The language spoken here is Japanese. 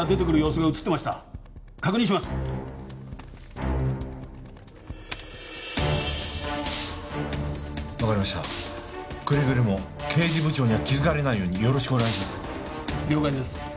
くれぐれも刑事部長には気づかれないようによろしくお願いします。